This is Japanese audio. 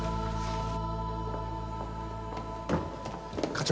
課長！